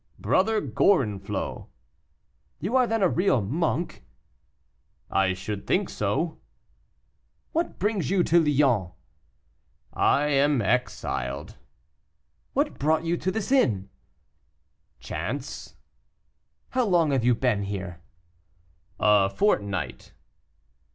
"Brother Gorenflot." "You are then a real monk?" "I should think so." "What brings you to Lyons?" "I am exiled." "What brought you to this inn?" "Chance." "How long have you been here?" "A fortnight."